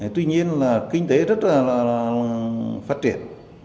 tuy nhiên là kinh tế rất là phát triển